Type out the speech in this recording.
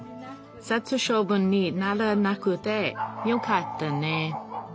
殺処分にならなくてよかったね。